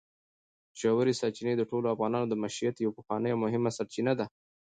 ژورې سرچینې د ټولو افغانانو د معیشت یوه پخوانۍ او مهمه سرچینه ده.